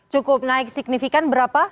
cukup naik signifikan berapa